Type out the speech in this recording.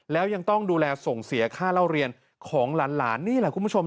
แล้วยังต้องดูแลส่งเสียค่าเล่าเรียนของหลานนี่แหละคุณผู้ชม